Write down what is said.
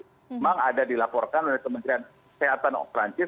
memang ada dilaporkan oleh kementerian kesehatan perancis